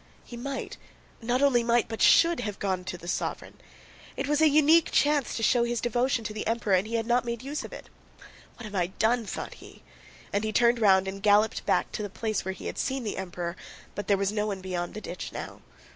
He might... not only might but should, have gone up to the sovereign. It was a unique chance to show his devotion to the Emperor and he had not made use of it.... "What have I done?" thought he. And he turned round and galloped back to the place where he had seen the Emperor, but there was no one beyond the ditch now.